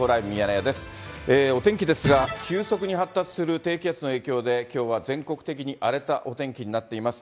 お天気ですが、急速に発達する低気圧の影響で、きょうは全国的に荒れたお天気になっています。